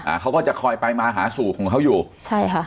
เขาก็จะคอยไปมาหาสูตรของเขาอยู่ใช่ค่ะ